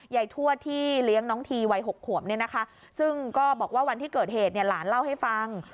ทวดที่เลี้ยงน้องทีวัย๖ขวบเนี่ยนะคะซึ่งก็บอกว่าวันที่เกิดเหตุเนี่ยหลานเล่าให้ฟัง